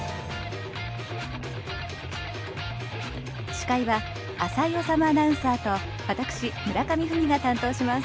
司会は浅井理アナウンサーと私村上史が担当します。